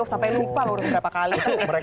oh sampai lupa loh berapa kali